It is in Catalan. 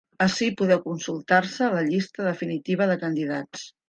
Ací podeu consultar-se la llista definitiva de candidats.